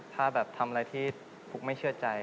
ถ้าแบบทำอะไรที่ฟุ๊กไม่เชื่อใจ